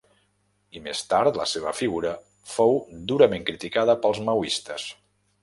I més tard la seva figura fou durament criticada pels maoistes.